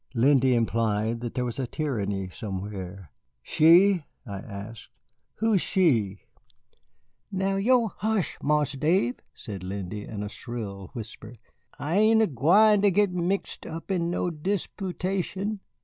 Lindy implied that there was tyranny somewhere. "She?" I asked, "who's she?" "Now yo' hush, Marse Dave," said Lindy, in a shrill whisper, "I ain't er gwine ter git mixed up in no disputation.